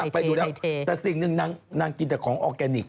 ไปดูแล้วแต่สิ่งหนึ่งนางกินแต่ของออร์แกนิค